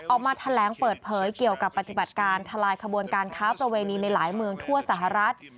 ออกมาแถลงเปิดเผยเกี่ยวกับปฏิบัติการทลายขบวนการค้าประเวณีในหลายเมืองทั่วสหรัฐ